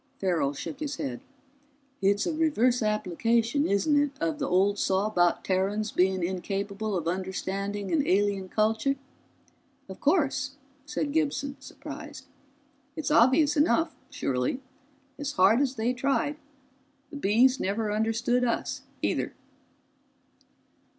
Farrell shook his head. "It's a reverse application, isn't it of the old saw about Terrans being incapable of understanding an alien culture?" "Of course," said Gibson, surprised. "It's obvious enough, surely hard as they tried, the Bees never understood us either."